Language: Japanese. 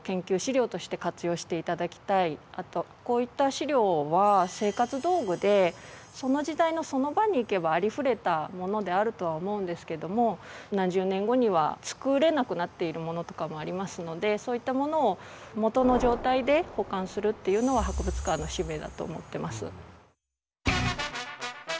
あとこういった資料は生活道具でその時代のその場に行けばありふれたものであるとは思うんですけども何十年後には作れなくなっているものとかもありますのでそういったものをもとの状態で保管するっていうのは博物館の使命だと思ってます。